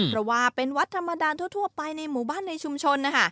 เพราะว่าเป็นวัดธรรมดาทั่วไปในหมู่บ้านในชุมชนนะคะ